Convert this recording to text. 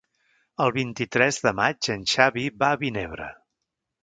El vint-i-tres de maig en Xavi va a Vinebre.